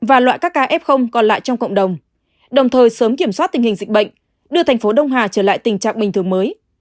và loại các ca f còn lại trong cộng đồng đồng thời sớm kiểm soát tình hình dịch bệnh đưa thành phố đông hà trở lại tình trạng bình thường mới